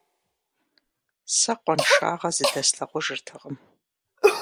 Сэ къуаншагъэ зыдэслъагъужыртэкъым.